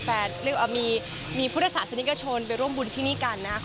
แล้วก็มีมีผู้โตสาธารณิกชนไปร่วมบุญที่นี่กันนะคะ